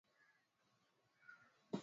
Amelipa deni lake.